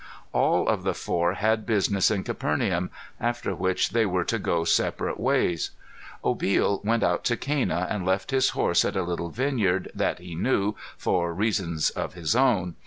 All of the four had business in Capernaum, after which they were to go separate ways. Obil went out to Cana and left his horse at a little vineyard that he knew, for reasons of his own.